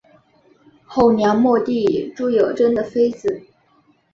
后梁末帝朱友贞的妃子。